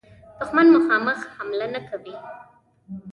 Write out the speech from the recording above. دښمن مخامخ حمله نه کوي.